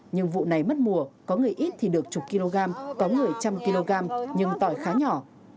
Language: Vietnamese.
nhưng vụ này mất mùa có người ít thì được chục kg có người trăm kg nhưng tỏi khá nhỏ